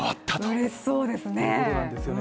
うれしそうですね。